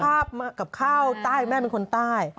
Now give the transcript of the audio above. กับข้าวใต้แม่เป็นคนใต้